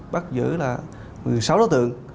bắt giữ là một mươi sáu đối tượng